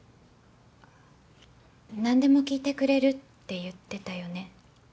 なんでも聞いてくれるって言ってたよね？